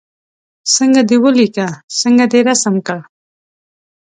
څنګه دې ولیکه څنګه دې رسم کړ.